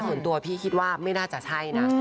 ส่วนตัวพี่คิดว่าไม่น่าจะใช่นะ